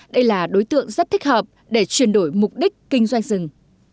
đây là đối tượng rất thích hợp để chuyển đổi mục đích kinh doanh rừng